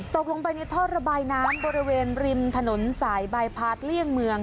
ตกลงไปในท่อระบายน้ำบริเวณริมถนนสายบายพาร์ทเลี่ยงเมือง